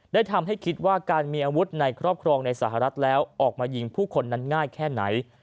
ได้ทำให้คิดว่าการมีอาวุธในครอบครองในสหรัฐแล้วออกมายิงผู้คนนั้นง่ายแค่ไหน